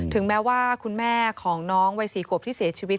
ถึงแม้ว่าคุณแม่ของน้องวัย๔ขวบที่เสียชีวิต